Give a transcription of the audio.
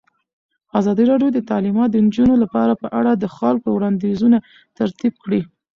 ازادي راډیو د تعلیمات د نجونو لپاره په اړه د خلکو وړاندیزونه ترتیب کړي.